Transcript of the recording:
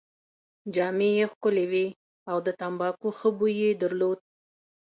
جامې يې ښکلې وې او د تمباکو ښه بوی يې درلود.